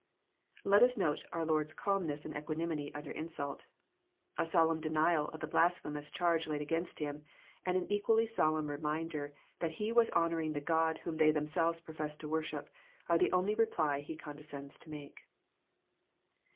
Let us note our Lord's calmness and equanimity under insult. A solemn denial of the blasphemous charge laid against Him, and an equally solemn reminder that He was honouring the God whom they themselves professed to worship, are the only reply He condescends to make.